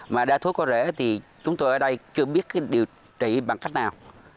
mà đã thúi cô rễ thì chúng tôi ở đây chưa biết điều trị bằng cách nào